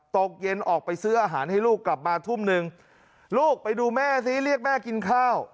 ตกเย็นออกไปซื้ออาหารให้ลูกกลับมาทุ่มหนึ่งลูกไปดูแม่ซิเรียกแม่กินข้าว